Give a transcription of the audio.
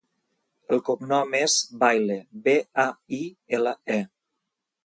El cognom és Baile: be, a, i, ela, e.